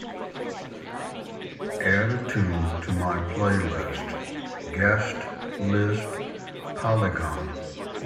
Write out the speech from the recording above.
Add a tune to my playlist Guest List Polygon